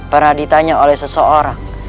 pernah ditanya oleh seseorang